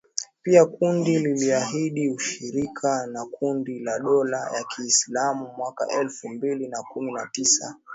Pia kundi liliahidi ushirika na kundi la dola ya Kiislamu mwaka elfu mbili na kumi na tisa